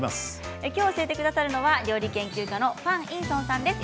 今日教えてくださるのは料理研究家のファン・インソンさんです